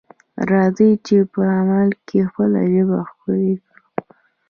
راځئ چې په عمل کې خپله ژبه ښکلې کړو.